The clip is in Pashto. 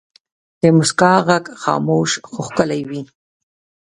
د مسکا ږغ خاموش خو ښکلی وي.